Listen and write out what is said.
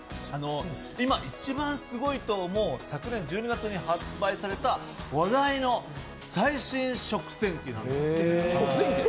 今、一番すごいと思う、昨年１２月に発売された話題の最新食洗機なんですけれども。